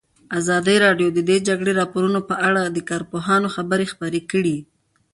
ازادي راډیو د د جګړې راپورونه په اړه د کارپوهانو خبرې خپرې کړي.